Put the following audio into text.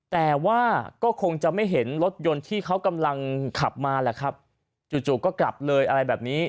แต่ว่าก็คงจะไม่เห็นรถยนต์ที่เขากำลังขับมาแหละครับจู่ก็กลับเลยอะไรแบบนี้